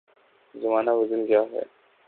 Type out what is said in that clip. زمانہ بدل گیا ہے۔